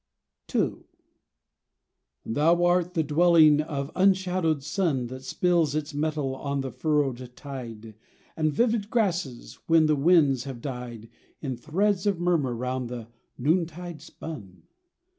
83 TUCKANUCK II Thou art the dwelling of unshadowed sun That spills its metal on the furrowed tide And vivid grasses when the winds have died In threads of murmur round the noontide spun.